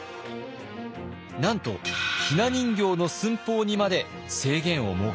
なんとひな人形の寸法にまで制限を設けています。